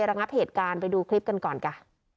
ระงับเหตุการณ์ไปดูคลิปกันก่อนค่ะ